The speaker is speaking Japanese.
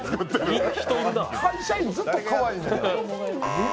会社員、ずっとかわいいんよな。